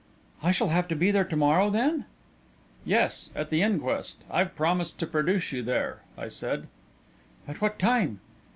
"I shall have to be there to morrow, then?" "Yes, at the inquest; I've promised to produce you there," I said. "At what time?"